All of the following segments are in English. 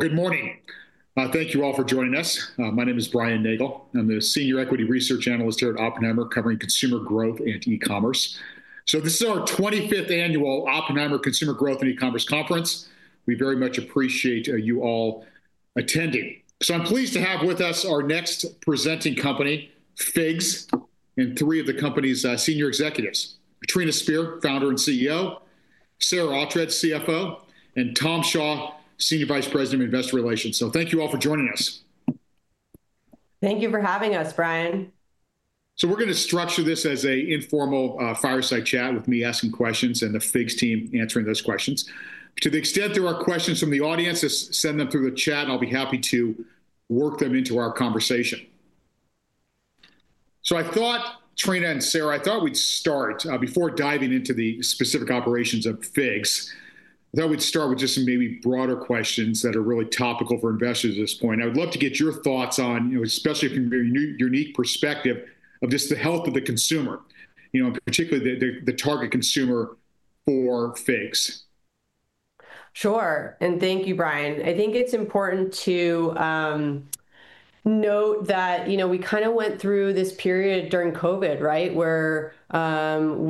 Good morning. Thank you all for joining us. My name is Brian Nagel. I'm the Senior Equity Research Analyst here at Oppenheimer, covering consumer growth and e-commerce. This is our 25th annual Oppenheimer Consumer Growth and E-commerce Conference. We very much appreciate you all attending. I'm pleased to have with us our next presenting company, FIGS, and three of the company's senior executives: Trina Spear, Founder and CEO; Sarah Oughtred, CFO; and Tom Shaw, Senior Vice President of Investor Relations. Thank you all for joining us. Thank you for having us, Brian. We're going to structure this as an informal fireside chat with me asking questions and the FIGS team answering those questions. To the extent there are questions from the audience, just send them through the chat, and I'll be happy to work them into our conversation. I thought, Trina and Sarah, I thought we'd start, before diving into the specific operations of FIGS, I thought we'd start with just some maybe broader questions that are really topical for investors at this point. I would love to get your thoughts on, especially from your unique perspective, just the health of the consumer, particularly the target consumer for FIGS. Sure. Thank you, Brian. I think it's important to note that we kind of went through this period during COVID, right, where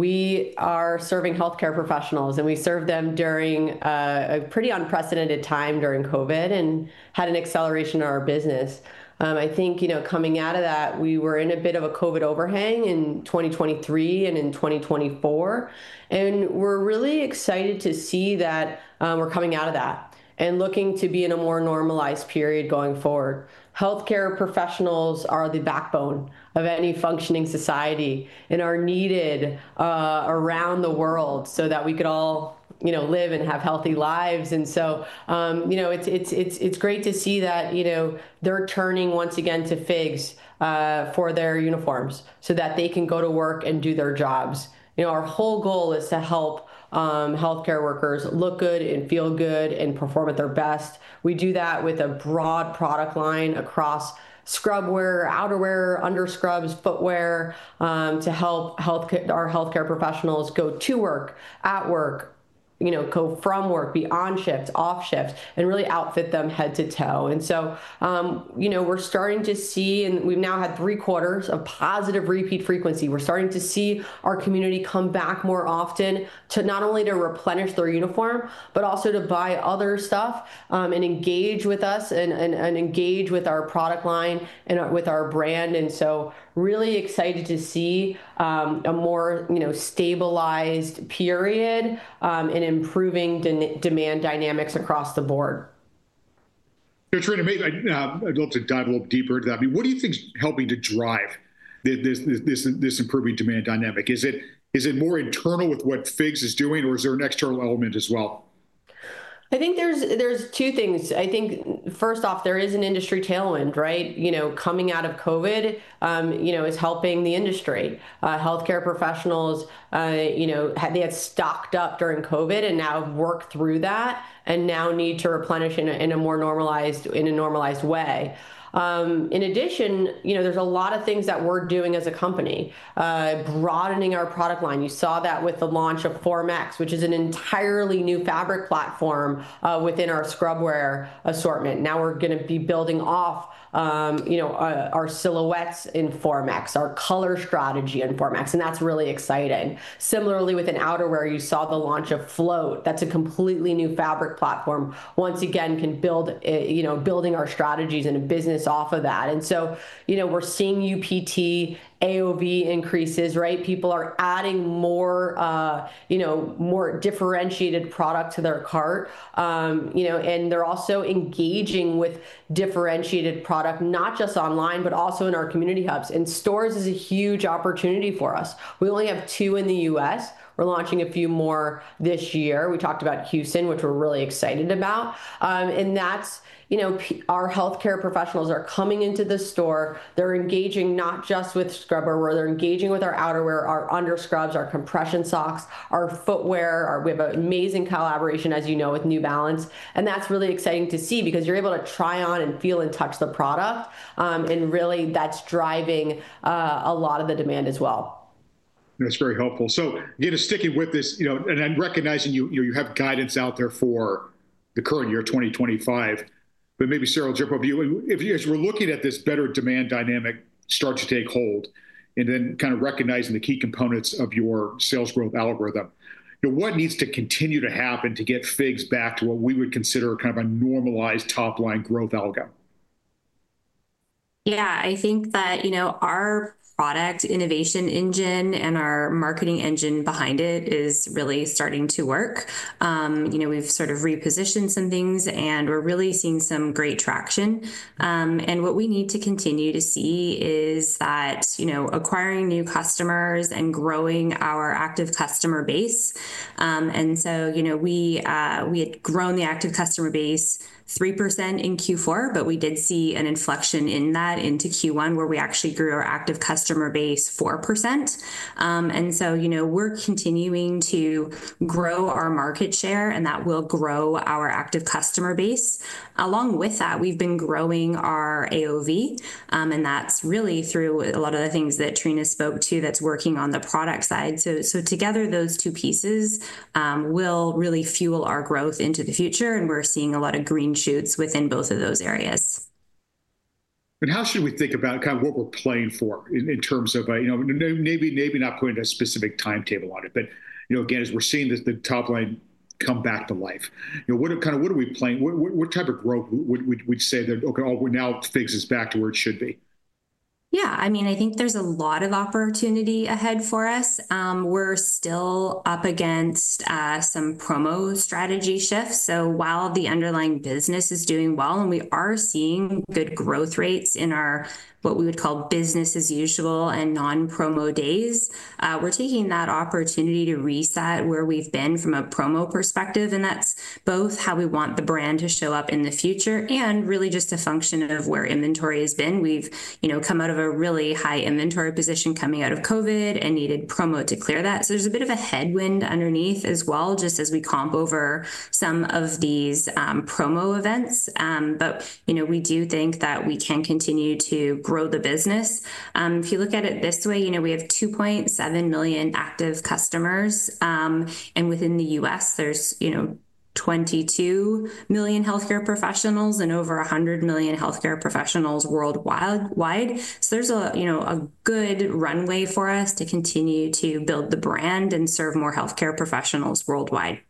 we are serving healthcare professionals. We served them during a pretty unprecedented time during COVID and had an acceleration in our business. I think coming out of that, we were in a bit of a COVID overhang in 2023 and in 2024. We're really excited to see that we're coming out of that and looking to be in a more normalized period going forward. Healthcare professionals are the backbone of any functioning society and are needed around the world so that we could all live and have healthy lives. It's great to see that they're turning once again to FIGS for their uniforms so that they can go to work and do their jobs. Our whole goal is to help health care workers look good and feel good and perform at their best. We do that with a broad product line across scrubwear, outerwear, underscrubs, footwear, to help our health care professionals go to work, at work, go from work, beyond shifts, off shifts, and really outfit them head to toe. We're starting to see, and we've now had three quarters of positive repeat frequency. We're starting to see our community come back more often to not only replenish their uniform, but also to buy other stuff and engage with us and engage with our product line and with our brand. We're really excited to see a more stabilized period and improving demand dynamics across the board. Trina, I'd love to dive a little deeper into that. I mean, what do you think is helping to drive this improving demand dynamic? Is it more internal with what FIGS is doing, or is there an external element as well? I think there's two things. I think, first off, there is an industry tailwind, right? Coming out of COVID is helping the industry. Health care professionals, they had stocked up during COVID and now have worked through that and now need to replenish in a more normalized way. In addition, there's a lot of things that we're doing as a company, broadening our product line. You saw that with the launch of FORMx, which is an entirely new fabric platform within our scrub wear assortment. Now we're going to be building off our silhouettes in FORMx, our color strategy in FORMx. That's really exciting. Similarly, within outerwear, you saw the launch of Float. That's a completely new fabric platform. Once again, building our strategies and business off of that. We're seeing UPT, AOV increases, right? People are adding more differentiated product to their cart. They're also engaging with differentiated product, not just online, but also in our community hubs. Stores is a huge opportunity for us. We only have two in the U.S. We're launching a few more this year. We talked about Houston, which we're really excited about. That's our health care professionals are coming into the store. They're engaging not just with scrubwear, they're engaging with our outerwear, our underscrubs, our compression socks, our footwear. We have an amazing collaboration, as you know, with New Balance. That's really exciting to see because you're able to try on and feel and touch the product. Really, that's driving a lot of the demand as well. That's very helpful. Again, sticking with this and recognizing you have guidance out there for the current year, 2025, but maybe, Sarah, just a view, if you guys were looking at this better demand dynamic start to take hold and then kind of recognizing the key components of your sales growth algorithm, what needs to continue to happen to get FIGS back to what we would consider kind of a normalized top-line growth algorithm? Yeah, I think that our product innovation engine and our marketing engine behind it is really starting to work. We've sort of repositioned some things, and we're really seeing some great traction. What we need to continue to see is that acquiring new customers and growing our active customer base. We had grown the active customer base 3% in Q4, but we did see an inflection in that into Q1, where we actually grew our active customer base 4%. We're continuing to grow our market share, and that will grow our active customer base. Along with that, we've been growing our AOV, and that's really through a lot of the things that Trina spoke to that's working on the product side. Together, those two pieces will really fuel our growth into the future, and we're seeing a lot of green shoots within both of those areas. How should we think about kind of what we're playing for in terms of maybe not putting a specific timetable on it, but again, as we're seeing the top line come back to life, kind of what are we playing? What type of growth would you say that now FIGS is back to where it should be? Yeah, I mean, I think there's a lot of opportunity ahead for us. We're still up against some promo strategy shifts. While the underlying business is doing well and we are seeing good growth rates in our what we would call business as usual and non-promo days, we're taking that opportunity to reset where we've been from a promo perspective. That's both how we want the brand to show up in the future and really just a function of where inventory has been. We've come out of a really high inventory position coming out of COVID and needed promo to clear that. There's a bit of a headwind underneath as well, just as we comp over some of these promo events. We do think that we can continue to grow the business. If you look at it this way, we have 2.7 million active customers. Within the U.S., there's 22 million health care professionals and over 100 million health care professionals worldwide. There is a good runway for us to continue to build the brand and serve more health care professionals worldwide.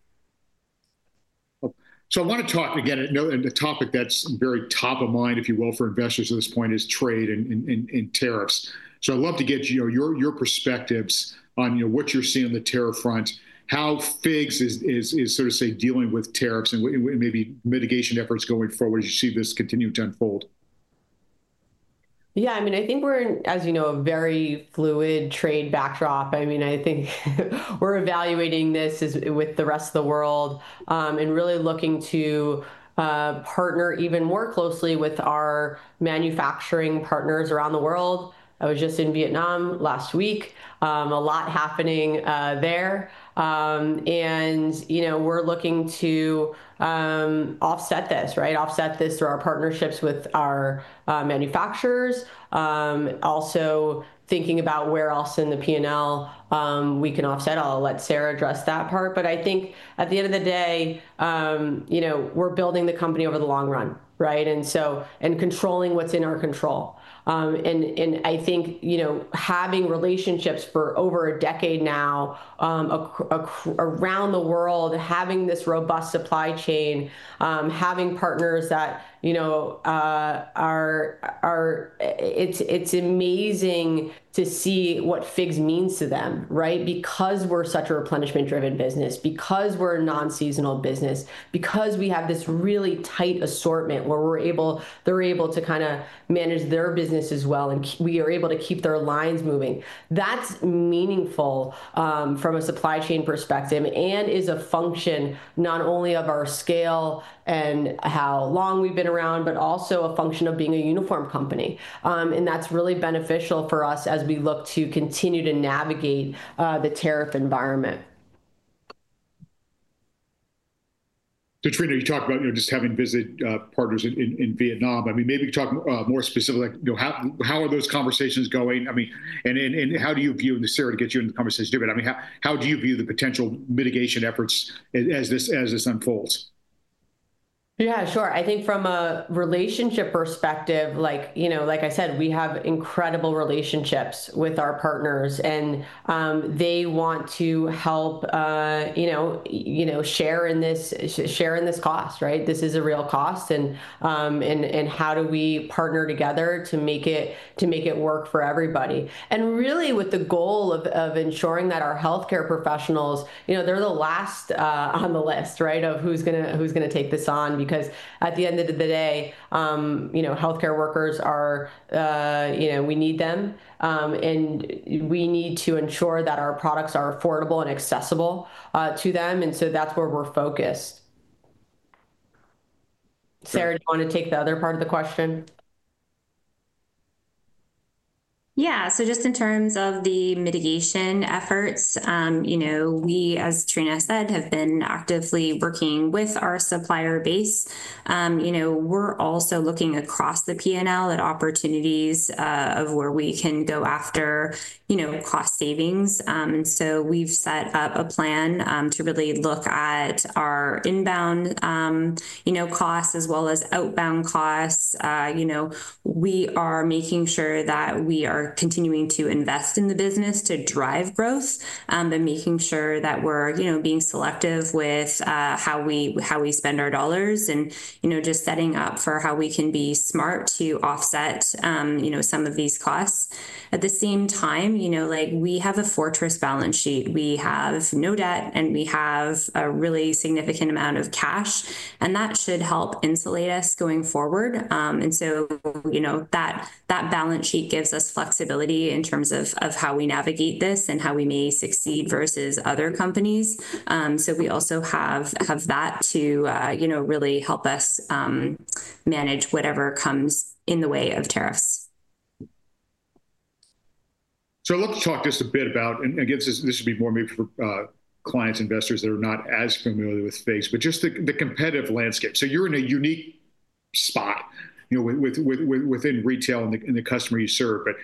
I want to talk again, a topic that's very top of mind, if you will, for investors at this point is trade and tariffs. I'd love to get your perspectives on what you're seeing on the tariff front, how FIGS is, so to say, dealing with tariffs and maybe mitigation efforts going forward as you see this continuing to unfold. Yeah, I mean, I think we're in, as you know, a very fluid trade backdrop. I mean, I think we're evaluating this with the rest of the world and really looking to partner even more closely with our manufacturing partners around the world. I was just in Vietnam last week. A lot happening there. We're looking to offset this, right, offset this through our partnerships with our manufacturers. Also thinking about where else in the P&L we can offset. I'll let Sarah address that part. I think at the end of the day, we're building the company over the long run, right, and controlling what's in our control. I think having relationships for over a decade now around the world, having this robust supply chain, having partners that are, it's amazing to see what FIGS means to them, right, because we're such a replenishment-driven business, because we're a non-seasonal business, because we have this really tight assortment where they're able to kind of manage their business as well and we are able to keep their lines moving. That's meaningful from a supply chain perspective and is a function not only of our scale and how long we've been around, but also a function of being a uniform company. That's really beneficial for us as we look to continue to navigate the tariff environment. Trina, you talked about just having visit partners in Vietnam. Maybe talk more specifically, how are those conversations going? I mean, and how do you view, and Sarah to get you in the conversation too, but I mean, how do you view the potential mitigation efforts as this unfolds? Yeah, sure. I think from a relationship perspective, like I said, we have incredible relationships with our partners, and they want to help share in this cost, right? This is a real cost. How do we partner together to make it work for everybody? Really with the goal of ensuring that our health care professionals, they're the last on the list, right, of who's going to take this on. At the end of the day, health care workers, we need them. We need to ensure that our products are affordable and accessible to them. That's where we're focused. Sarah, do you want to take the other part of the question? Yeah. So just in terms of the mitigation efforts, we, as Trina said, have been actively working with our supplier base. We're also looking across the P&L at opportunities of where we can go after cost savings. We have set up a plan to really look at our inbound costs as well as outbound costs. We are making sure that we are continuing to invest in the business to drive growth and making sure that we're being selective with how we spend our dollars and just setting up for how we can be smart to offset some of these costs. At the same time, we have a fortress balance sheet. We have no debt, and we have a really significant amount of cash. That should help insulate us going forward. That balance sheet gives us flexibility in terms of how we navigate this and how we may succeed versus other companies. We also have that to really help us manage whatever comes in the way of tariffs. I'd love to talk just a bit about, and again, this would be more maybe for clients, investors that are not as familiar with FIGS, but just the competitive landscape. You're in a unique spot within retail and the customer you serve, but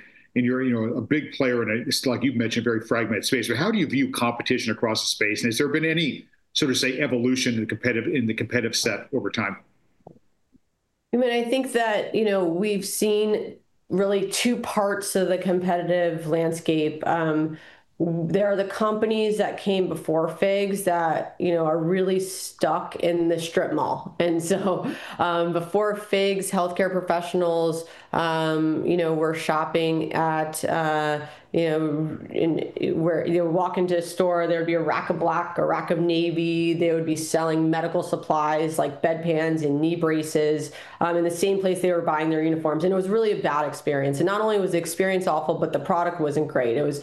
you're a big player in a, like you've mentioned, very fragmented space. How do you view competition across the space? Has there been any sort of, say, evolution in the competitive set over time? I mean, I think that we've seen really two parts of the competitive landscape. There are the companies that came before FIGS that are really stuck in the strip mall. Before FIGS, health care professionals were shopping at, where you walk into a store, there would be a rack of black, a rack of navy. They would be selling medical supplies like bedpans and knee braces in the same place they were buying their uniforms. It was really a bad experience. Not only was the experience awful, but the product was not great. It was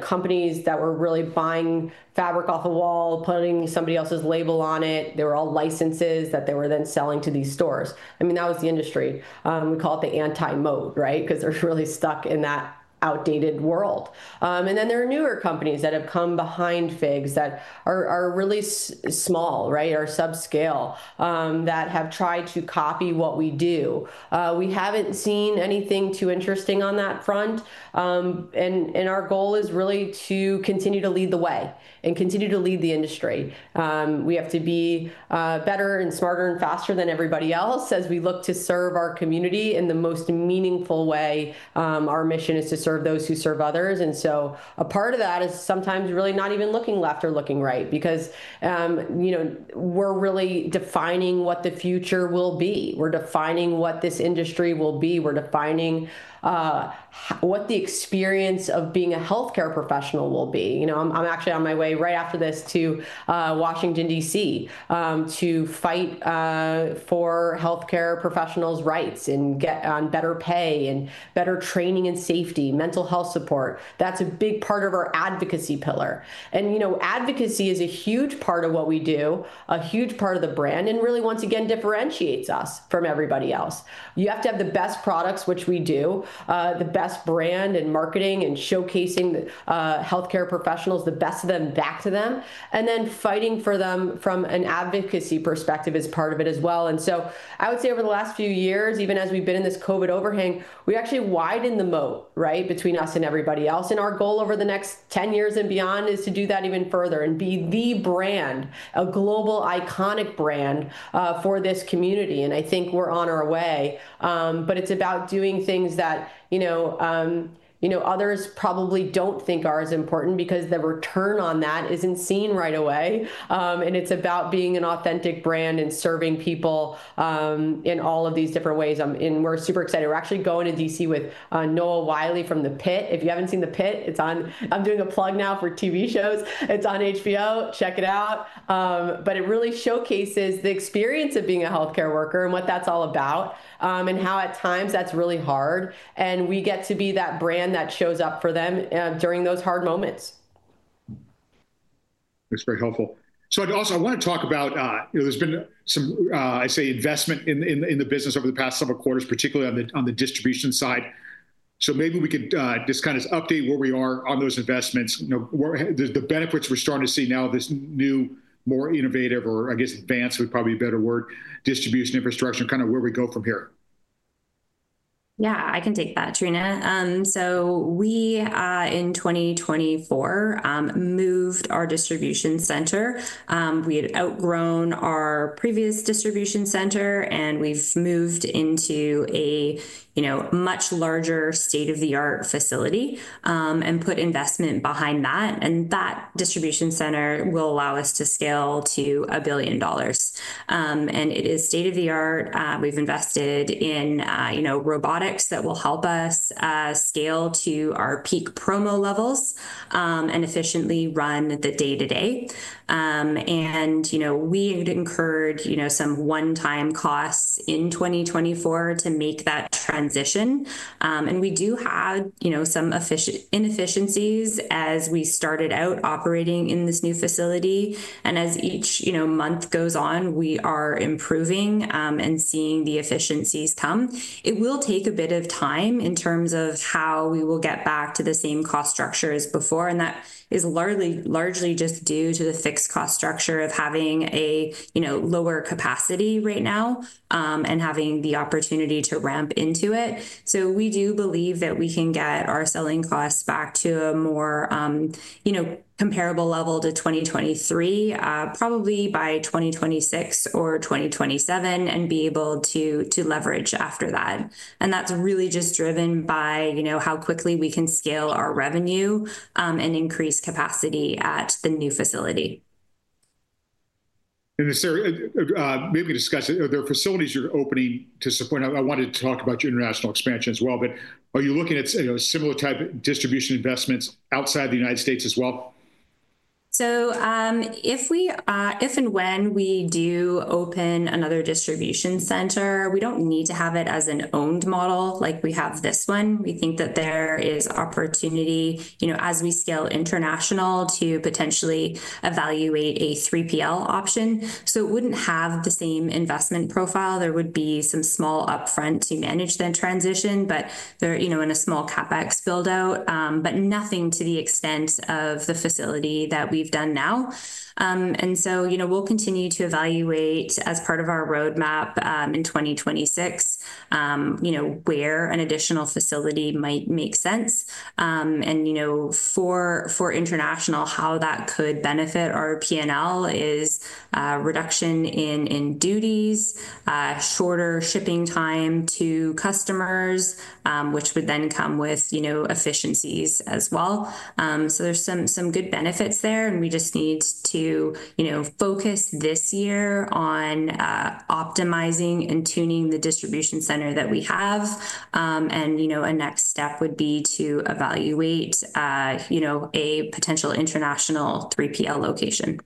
companies that were really buying fabric off a wall, putting somebody else's label on it. They were all licenses that they were then selling to these stores. I mean, that was the industry. We call it the anti-mode, right, because they're really stuck in that outdated world. There are newer companies that have come behind FIGS that are really small, right, are subscale that have tried to copy what we do. We have not seen anything too interesting on that front. Our goal is really to continue to lead the way and continue to lead the industry. We have to be better and smarter and faster than everybody else as we look to serve our community in the most meaningful way. Our mission is to serve those who serve others. A part of that is sometimes really not even looking left or looking right because we are really defining what the future will be. We are defining what this industry will be. We are defining what the experience of being a health care professional will be. I'm actually on my way right after this to Washington, DC, to fight for health care professionals' rights and get on better pay and better training and safety, mental health support. That's a big part of our advocacy pillar. Advocacy is a huge part of what we do, a huge part of the brand, and really, once again, differentiates us from everybody else. You have to have the best products, which we do, the best brand and marketing and showcasing health care professionals, the best of them back to them. Fighting for them from an advocacy perspective is part of it as well. I would say over the last few years, even as we've been in this COVID overhang, we actually widened the moat, right, between us and everybody else. Our goal over the next 10 years and beyond is to do that even further and be the brand, a global iconic brand for this community. I think we're on our way. It is about doing things that others probably do not think are as important because the return on that is not seen right away. It is about being an authentic brand and serving people in all of these different ways. We are super excited. We are actually going to Washington, DC with Noah Wyle from The Pitt. If you have not seen The Pitt, I am doing a plug now for TV shows. It is on HBO. Check it out. It really showcases the experience of being a healthcare worker and what that is all about and how at times that is really hard. We get to be that brand that shows up for them during those hard moments. That's very helpful. I also want to talk about there's been some, I'd say, investment in the business over the past several quarters, particularly on the distribution side. Maybe we could just kind of update where we are on those investments. The benefits we're starting to see now, this new, more innovative or, I guess, advanced would probably be a better word, distribution infrastructure, kind of where we go from here. Yeah, I can take that, Trina. We, in 2024, moved our distribution center. We had outgrown our previous distribution center, and we have moved into a much larger state-of-the-art facility and put investment behind that. That distribution center will allow us to scale to $1 billion. It is state-of-the-art. We have invested in robotics that will help us scale to our peak promo levels and efficiently run the day-to-day. We had incurred some one-time costs in 2024 to make that transition. We do have some inefficiencies as we started out operating in this new facility. As each month goes on, we are improving and seeing the efficiencies come. It will take a bit of time in terms of how we will get back to the same cost structure as before. That is largely just due to the fixed cost structure of having a lower capacity right now and having the opportunity to ramp into it. We do believe that we can get our selling costs back to a more comparable level to 2023, probably by 2026 or 2027, and be able to leverage after that. That is really just driven by how quickly we can scale our revenue and increase capacity at the new facility. Sarah, maybe we can discuss it. There are facilities you're opening to some point. I wanted to talk about your international expansion as well. Are you looking at similar type distribution investments outside the United States as well? If and when we do open another distribution center, we do not need to have it as an owned model like we have this one. We think that there is opportunity as we scale international to potentially evaluate a 3PL option. It would not have the same investment profile. There would be some small upfront to manage the transition, and a small CapEx buildout, but nothing to the extent of the facility that we have done now. We will continue to evaluate as part of our roadmap in 2026 where an additional facility might make sense. For international, how that could benefit our P&L is reduction in duties, shorter shipping time to customers, which would then come with efficiencies as well. There are some good benefits there. We just need to focus this year on optimizing and tuning the distribution center that we have. A next step would be to evaluate a potential international 3PL location.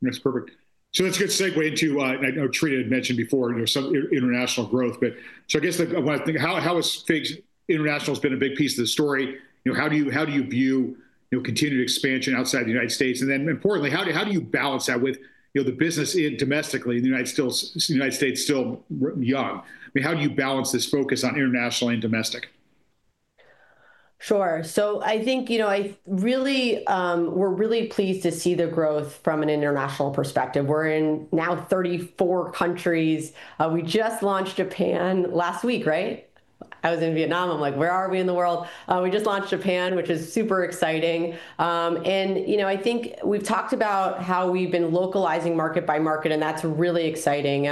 That's perfect. That's a good segue to, I know Trina had mentioned before, some international growth. I guess I want to think, how has FIGS International has been a big piece of the story. How do you view continued expansion outside the United States? Then importantly, how do you balance that with the business domestically? The United States is still young. I mean, how do you balance this focus on international and domestic? Sure. I think we're really pleased to see the growth from an international perspective. We're in now 34 countries. We just launched Japan last week, right? I was in Vietnam. I'm like, where are we in the world? We just launched Japan, which is super exciting. I think we've talked about how we've been localizing market by market, and that's really exciting.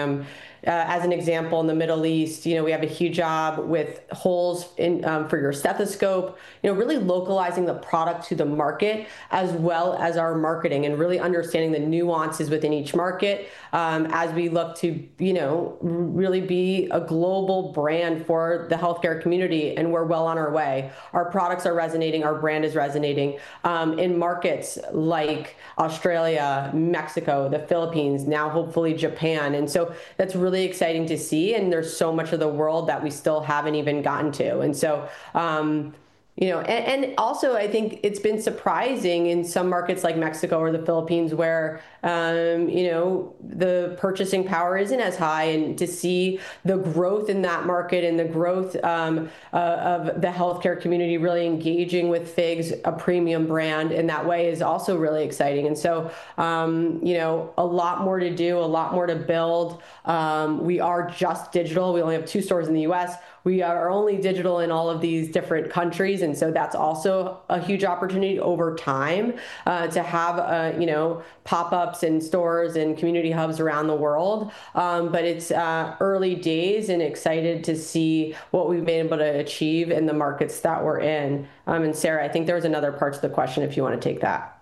As an example, in the Middle East, we have a huge job with holes for your stethoscope, really localizing the product to the market as well as our marketing and really understanding the nuances within each market as we look to really be a global brand for the health care community. We're well on our way. Our products are resonating. Our brand is resonating in markets like Australia, Mexico, the Philippines, now hopefully Japan. That's really exciting to see. There is so much of the world that we still have not even gotten to. Also, I think it has been surprising in some markets like Mexico or the Philippines where the purchasing power is not as high. To see the growth in that market and the growth of the healthcare community really engaging with FIGS, a premium brand in that way, is also really exciting. There is a lot more to do, a lot more to build. We are just digital. We only have two stores in the U.S. We are only digital in all of these different countries. That is also a huge opportunity over time to have pop-ups and stores and community hubs around the world. It is early days and exciting to see what we have been able to achieve in the markets that we are in. Sarah, I think there was another part to the question if you want to take that.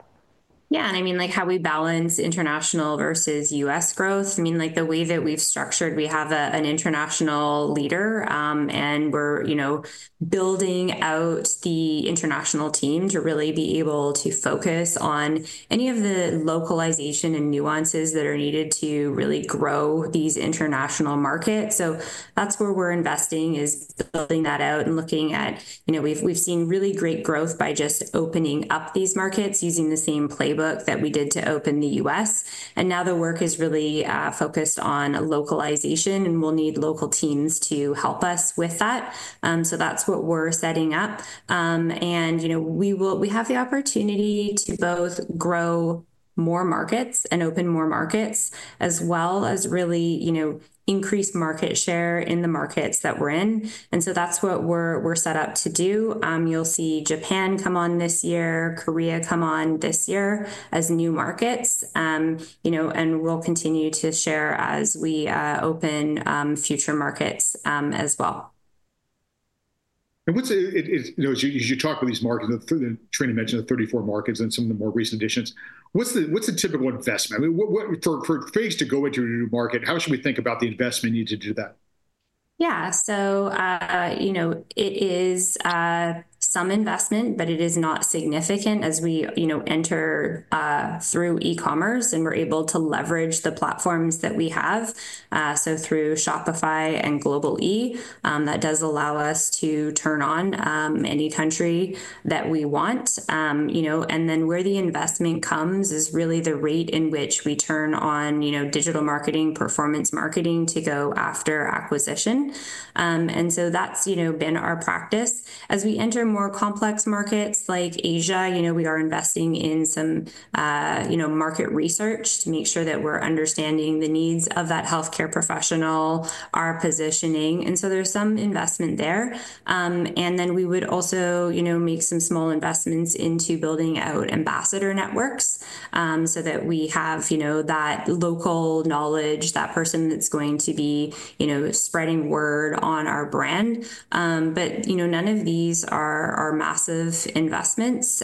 Yeah. I mean, how we balance international versus U.S. growth. I mean, the way that we've structured, we have an international leader, and we're building out the international team to really be able to focus on any of the localization and nuances that are needed to really grow these international markets. That's where we're investing, is building that out and looking at we've seen really great growth by just opening up these markets using the same playbook that we did to open the U.S. Now the work is really focused on localization, and we'll need local teams to help us with that. That's what we're setting up. We have the opportunity to both grow more markets and open more markets as well as really increase market share in the markets that we're in. That's what we're set up to do. You'll see Japan come on this year, Korea come on this year as new markets. We will continue to share as we open future markets as well. As you talk with these markets, Trina mentioned the 34 markets and some of the more recent additions. What's the typical investment? I mean, for FIGS to go into a new market, how should we think about the investment needed to do that? Yeah. It is some investment, but it is not significant as we enter through e-commerce and we are able to leverage the platforms that we have. Through Shopify and Global-e, that does allow us to turn on any country that we want. Where the investment comes is really the rate in which we turn on digital marketing, performance marketing to go after acquisition. That has been our practice. As we enter more complex markets like Asia, we are investing in some market research to make sure that we are understanding the needs of that health care professional, our positioning. There is some investment there. We would also make some small investments into building out ambassador networks so that we have that local knowledge, that person that is going to be spreading word on our brand. None of these are massive investments.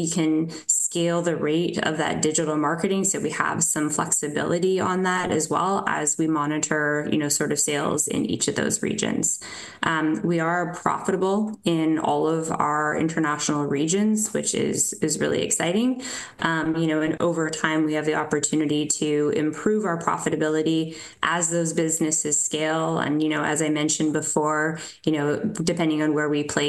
We can scale the rate of that digital marketing. We have some flexibility on that as well as we monitor sort of sales in each of those regions. We are profitable in all of our international regions, which is really exciting. Over time, we have the opportunity to improve our profitability as those businesses scale. As I mentioned before, depending on where we place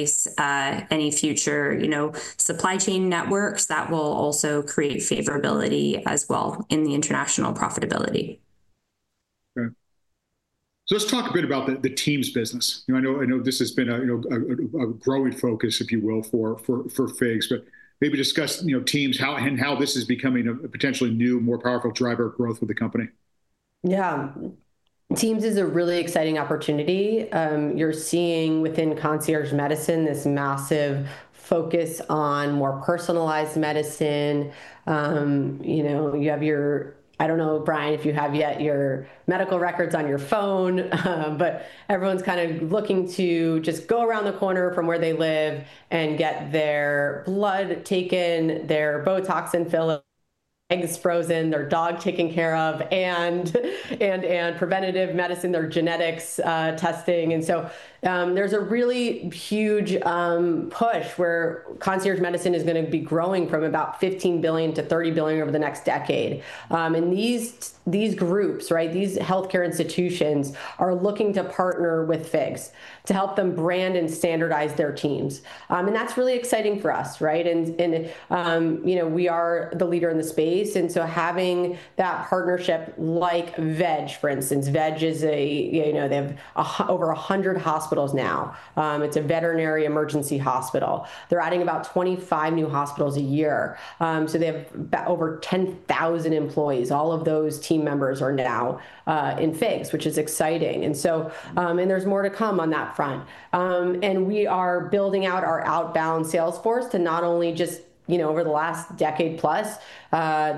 any future supply chain networks, that will also create favorability as well in the international profitability. Let's talk a bit about the teams business. I know this has been a growing focus, if you will, for FIGS, but maybe discuss teams and how this is becoming a potentially new, more powerful driver of growth for the company. Yeah. Teams is a really exciting opportunity. You're seeing within concierge medicine this massive focus on more personalized medicine. You have your, I don't know, Brian, if you have yet your medical records on your phone, but everyone's kind of looking to just go around the corner from where they live and get their blood taken, their Botox infill, eggs frozen, their dog taken care of, and preventative medicine, their genetics testing. There is a really huge push where concierge medicine is going to be growing from about $15 billion-$30 billion over the next decade. These groups, these health care institutions are looking to partner with FIGS to help them brand and standardize their teams. That is really exciting for us, right? We are the leader in the space. Having that partnership like VEG, for instance, VEG has over 100 hospitals now. It is a veterinary emergency hospital. They are adding about 25 new hospitals a year. They have over 10,000 employees. All of those team members are now in FIGS, which is exciting. There is more to come on that front. We are building out our outbound sales force to not only just over the last decade plus,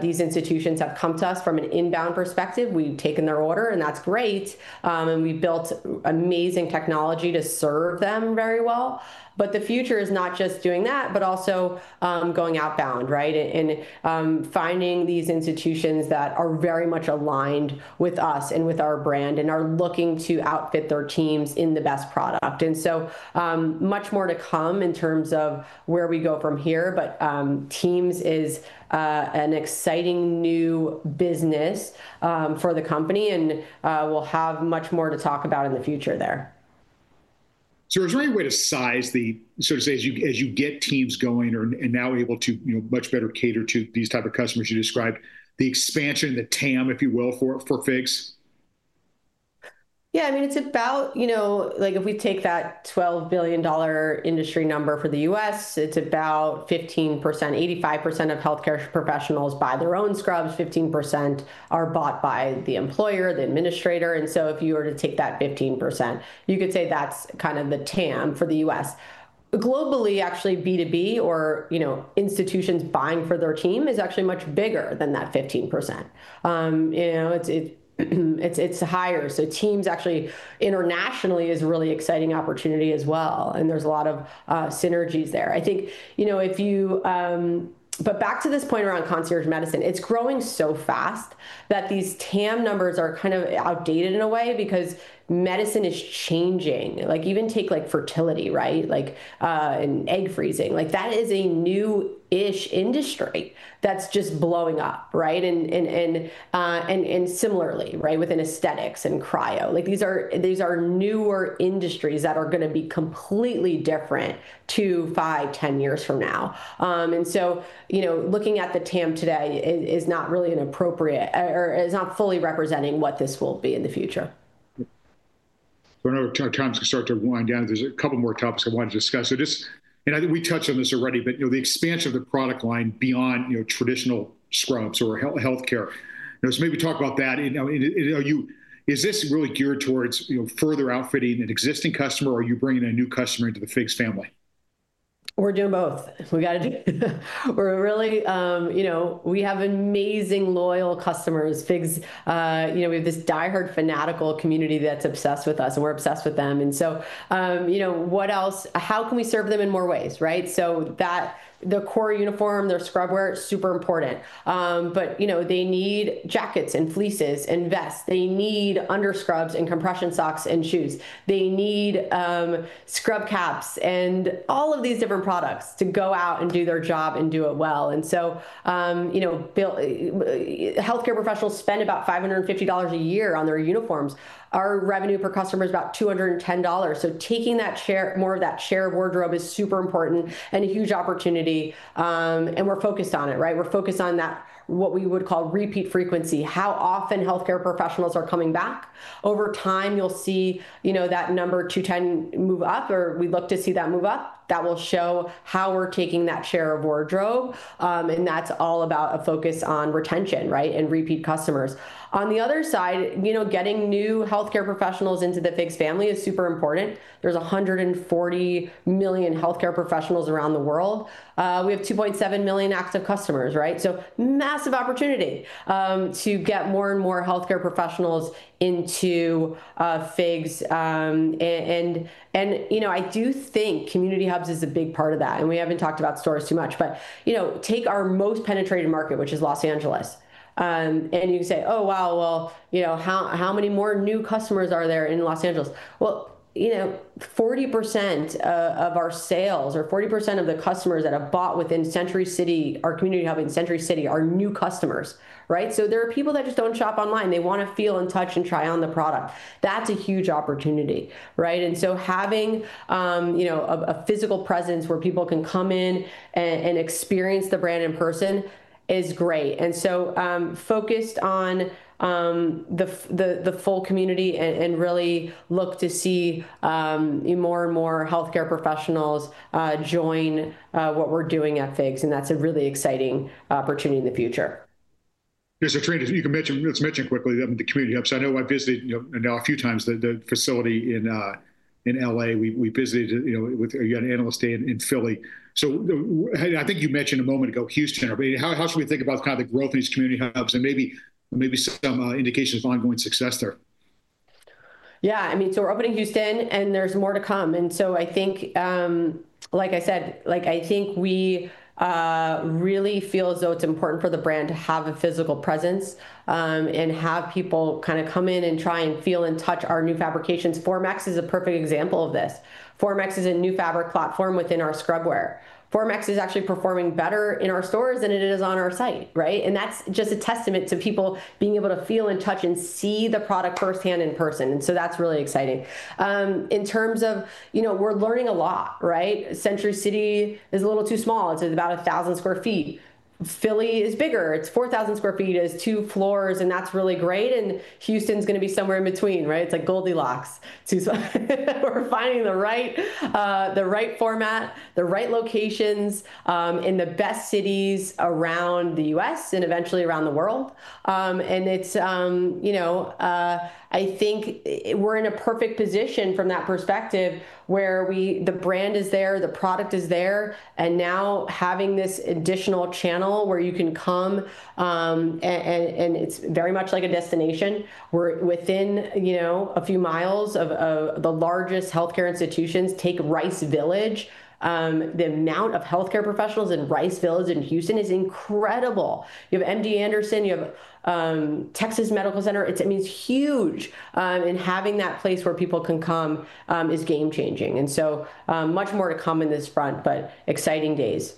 these institutions have come to us from an inbound perspective. We have taken their order, and that is great. We have built amazing technology to serve them very well. The future is not just doing that, but also going outbound, right, and finding these institutions that are very much aligned with us and with our brand and are looking to outfit their teams in the best product. is so much more to come in terms of where we go from here. Teams is an exciting new business for the company. We will have much more to talk about in the future there. Is there any way to size the sort of as you get teams going and now able to much better cater to these type of customers you described, the expansion, the TAM, if you will, for FIGS? Yeah. I mean, it's about like if we take that $12 billion industry number for the U.S., it's about 15%, 85% of health care professionals buy their own scrubs. 15% are bought by the employer, the administrator. If you were to take that 15%, you could say that's kind of the TAM for the U.S. Globally, actually, B2B or institutions buying for their team is actually much bigger than that 15%. It's higher. Teams actually internationally is a really exciting opportunity as well. There's a lot of synergies there. I think if you, but back to this point around concierge medicine, it's growing so fast that these TAM numbers are kind of outdated in a way because medicine is changing. Even take fertility, right, and egg freezing. That is a new-ish industry that's just blowing up, right? Similarly, right, within aesthetics and cryo. These are newer industries that are going to be completely different two, five, 10 years from now. Looking at the TAM today is not really an appropriate or is not fully representing what this will be in the future. I know time's going to start to wind down. There's a couple more topics I wanted to discuss. I think we touched on this already, but the expanse of the product line beyond traditional scrubs or health care. Maybe talk about that. Is this really geared towards further outfitting an existing customer, or are you bringing a new customer into the FIGS family? We're doing both. We've got to do it. We really have amazing loyal customers. FIGS, we have this diehard fanatical community that's obsessed with us. And we're obsessed with them. What else? How can we serve them in more ways, right? The core uniform, their scrub wear, super important. They need jackets and fleeces and vests. They need under scrubs and compression socks and shoes. They need scrub caps and all of these different products to go out and do their job and do it well. Health care professionals spend about $550 a year on their uniforms. Our revenue per customer is about $210. Taking that share, more of that share of wardrobe is super important and a huge opportunity. We're focused on it, right? We're focused on that what we would call repeat frequency, how often health care professionals are coming back. Over time, you'll see that number 210 move up, or we look to see that move up. That will show how we're taking that share of wardrobe. And that's all about a focus on retention, right, and repeat customers. On the other side, getting new health care professionals into the FIGS family is super important. There's 140 million health care professionals around the world. We have 2.7 million active customers, right? So massive opportunity to get more and more health care professionals into FIGS. I do think community hubs is a big part of that. We haven't talked about stores too much. Take our most penetrated market, which is Los Angeles. You say, oh, wow. How many more new customers are there in Los Angeles? Forty percent of our sales or 40% of the customers that have bought within Century City, our community hub in Century City, are new customers, right? There are people that just do not shop online. They want to feel and touch and try on the product. That is a huge opportunity, right? Having a physical presence where people can come in and experience the brand in person is great. We are focused on the full community and really look to see more and more healthcare professionals join what we are doing at FIGS. That is a really exciting opportunity in the future. Trina, let's mention quickly the community hubs. I know I visited now a few times the facility in Los Angeles. We visited with an analyst in Philly. I think you mentioned a moment ago Houston. How should we think about kind of the growth in these community hubs and maybe some indications of ongoing success there? Yeah. I mean, so we're opening Houston, and there's more to come. I think, like I said, I think we really feel as though it's important for the brand to have a physical presence and have people kind of come in and try and feel and touch our new fabrications. FORMx is a perfect example of this. FORMx is a new fabric platform within our scrubwear. FORMx is actually performing better in our stores than it is on our site, right? That's just a testament to people being able to feel and touch and see the product firsthand in person. That's really exciting. In terms of we're learning a lot, right? Century City is a little too small. It's about 1,000 sq ft. Philly is bigger. It's 4,000 sq ft. It has two floors, and that's really great. Houston's going to be somewhere in between, right? It's like Goldilocks. We're finding the right format, the right locations in the best cities around the U.S. and eventually around the world. I think we're in a perfect position from that perspective where the brand is there, the product is there. Now having this additional channel where you can come, and it's very much like a destination. We're within a few miles of the largest healthcare institutions. Take Rice Village. The amount of healthcare professionals in Rice Village in Houston is incredible. You have MD Anderson. You have Texas Medical Center. I mean, it's huge. Having that place where people can come is game-changing. So much more to come in this front, but exciting days.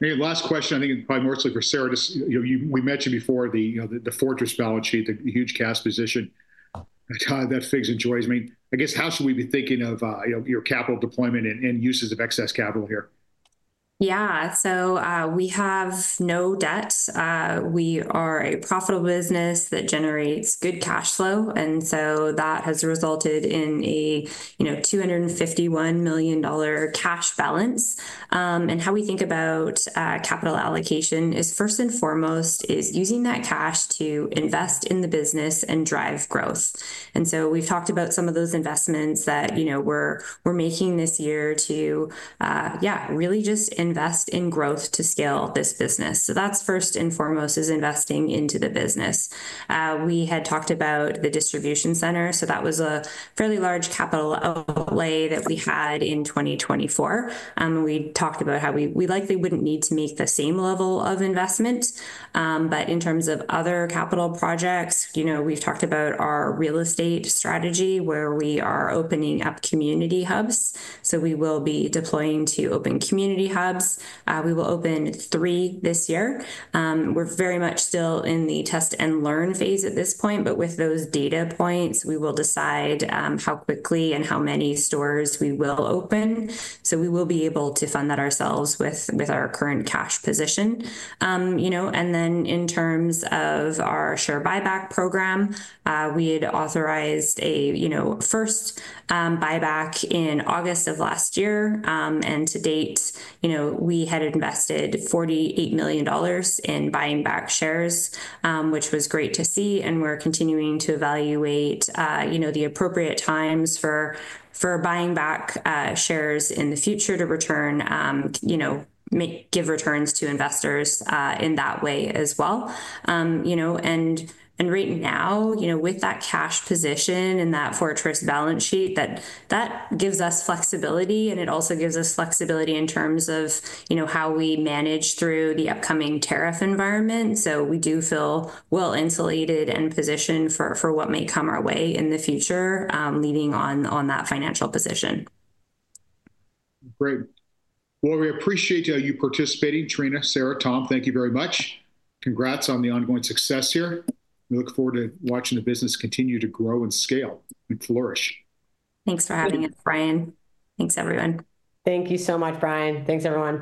Last question, I think probably mostly for Sarah. We mentioned before the fortress balance sheet, the huge cash position that FIGS enjoys. I mean, I guess how should we be thinking of your capital deployment and uses of excess capital here? Yeah. We have no debt. We are a profitable business that generates good cash flow. That has resulted in a $251 million cash balance. How we think about capital allocation is, first and foremost, using that cash to invest in the business and drive growth. We have talked about some of those investments that we are making this year to, yeah, really just invest in growth to scale this business. That is first and foremost, investing into the business. We had talked about the distribution center. That was a fairly large capital outlay that we had in 2024. We talked about how we likely would not need to make the same level of investment. In terms of other capital projects, we have talked about our real estate strategy where we are opening up community hubs. We will be deploying to open community hubs. We will open three this year. We're very much still in the test and learn phase at this point. With those data points, we will decide how quickly and how many stores we will open. We will be able to fund that ourselves with our current cash position. In terms of our share buyback program, we had authorized a first buyback in August of last year. To date, we had invested $48 million in buying back shares, which was great to see. We're continuing to evaluate the appropriate times for buying back shares in the future to give returns to investors in that way as well. Right now, with that cash position and that fortress balance sheet, that gives us flexibility. It also gives us flexibility in terms of how we manage through the upcoming tariff environment. We do feel well insulated and positioned for what may come our way in the future, leading on that financial position. Great. We appreciate you participating, Trina, Sarah, Tom. Thank you very much. Congrats on the ongoing success here. We look forward to watching the business continue to grow and scale and flourish. Thanks for having us, Brian. Thanks, everyone. Thank you so much, Brian. Thanks, everyone.